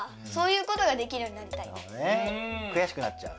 くやしくなっちゃう。